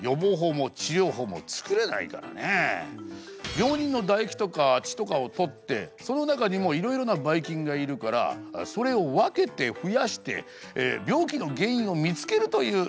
病人の唾液とか血とかを採ってその中にもいろいろなばい菌がいるからそれを分けて増やして病気の原因を見つけるという学問ですね。